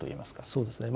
そうですね。